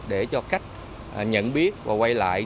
để cho khách nhận biết và quay lại